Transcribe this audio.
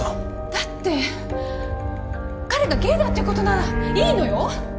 だって彼がゲイだってことならいいのよ。